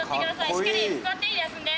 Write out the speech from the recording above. しっかり座っていい休んで。